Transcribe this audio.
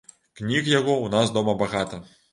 Кніг яго ў нас дома багата.